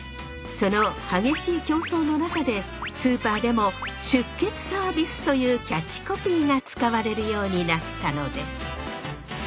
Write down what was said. その激しい競争の中でスーパーでも「出血サービス」というキャッチコピーが使われるようになったのです。